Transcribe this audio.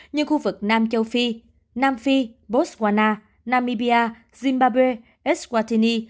như khu vực nam châu phi nam phi botswana namibia zimbabwe eswatini